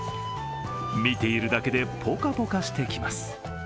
見ているだけでポカポカしてきます。